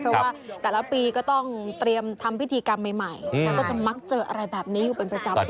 เพราะว่าแต่ละปีก็ต้องเตรียมทำพิธีกรรมใหม่แล้วก็จะมักเจออะไรแบบนี้อยู่เป็นประจำ